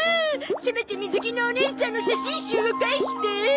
せめて水着のおねいさんの写真集は返して。